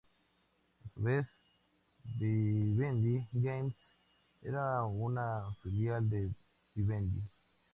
A su vez, Vivendi Games era una filial de Vivendi.